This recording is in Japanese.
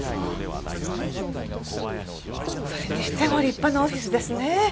それにしても立派なオフィスですね。